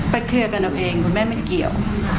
เคลียร์กันเอาเองคุณแม่ไม่เกี่ยว